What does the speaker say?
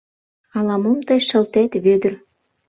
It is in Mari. — Ала-мом тый шылтет, Вӧдыр.